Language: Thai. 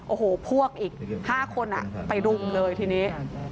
โอ้โหพวกอีก๕คนไปรุมเลยทีนี้